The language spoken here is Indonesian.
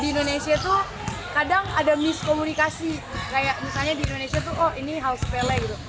di indonesia tuh kadang ada miskomunikasi kayak misalnya di indonesia tuh oh ini hal sepele gitu